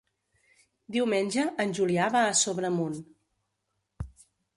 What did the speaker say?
Diumenge en Julià va a Sobremunt.